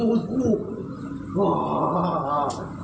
ว้าวมันหวาน